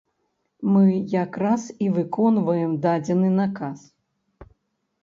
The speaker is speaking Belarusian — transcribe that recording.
Мы як раз і выконваем дадзены наказ.